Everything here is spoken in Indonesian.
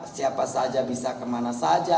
siapa saja bisa kemana saja